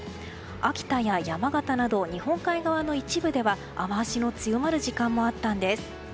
秋田や山形など日本海側の一部では雨脚の強まる時間帯もあったんです。